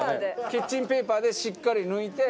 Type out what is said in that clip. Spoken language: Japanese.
キッチンペーパーでしっかり抜いて？